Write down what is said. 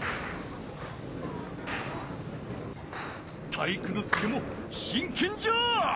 体育ノ介もしんけんじゃ！